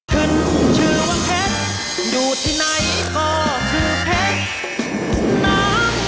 ขึ้นชื่อว่าเพชรอยู่ที่ในคอคือเพชร